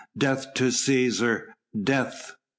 Death to Cæsar! Death!"